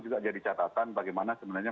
jadi catatan bagaimana sebenarnya